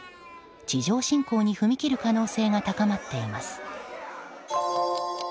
地上侵攻に踏み切る可能性が高まっています。